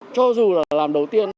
cho dù là làm đầu tiên